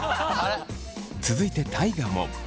続いて大我も。